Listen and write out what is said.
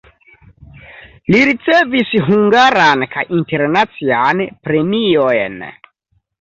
Li ricevis hungaran kaj internacian premiojn.